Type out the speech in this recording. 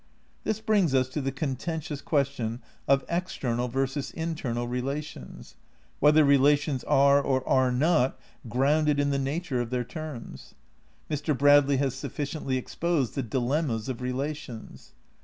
This brings us to the contentious question of exter nal versus internal relations : whether relations are or are not "grounded in the nature of their terms." Mr. Bradley has sufficiently exposed the dilemmas of rela tions.